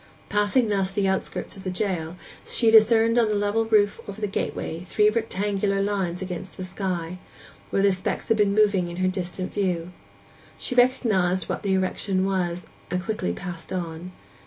Passing thus the outskirts of the jail, she discerned on the level roof over the gateway three rectangular lines against the sky, where the specks had been moving in her distant view; she recognized what the erection was, and passed quickly on.